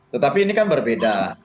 tetapi ini kan berbeda